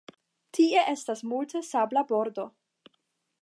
Tie estas multe sabla bordo.